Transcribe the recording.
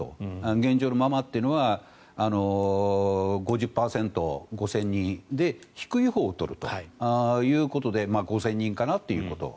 現状のままというのは５０％、５０００人で低いほうを取るということで５０００人かなということ。